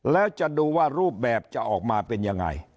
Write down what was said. แล้วจะดูว่ารูปแบบจะออกมาเป็นยังไง